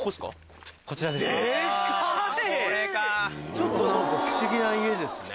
ちょっと何か不思議な家ですね。